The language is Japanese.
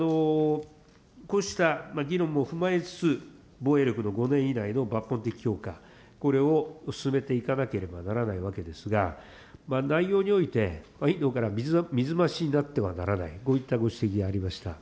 こうした議論も踏まえつつ、防衛力の５年以内の抜本的強化、これを進めていかなければならないわけですが、内容において委員から水増しになってはならない、こういったご指摘がありました。